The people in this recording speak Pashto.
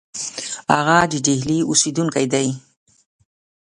هغه د ډهلي اوسېدونکی دی.